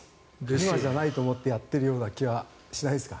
今じゃないと思ってやっているような気がしないですか？